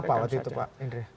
apa waktu itu pak